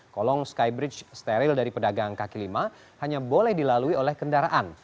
kolong skybridge steril dari pedagang kaki lima hanya boleh dilalui oleh kendaraan